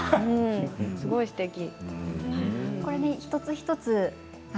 すごくすてき。